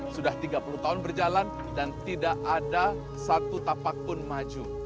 sudah tiga puluh tahun berjalan dan tidak ada satu tapak pun maju